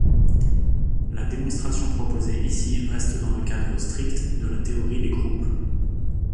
La démonstration proposée ici reste dans le cadre strict de la théorie des groupes.